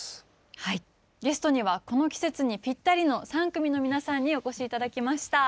はいゲストにはこの季節にぴったりの３組の皆さんにお越し頂きました。